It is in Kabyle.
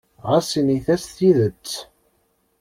Ɣas init-as tidet.